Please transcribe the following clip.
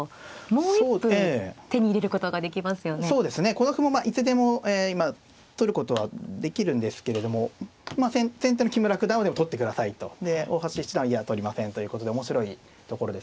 この歩もいつでも取ることはできるんですけれども先手の木村九段は取ってくださいと大橋七段はいや取りませんということで面白いところですよね。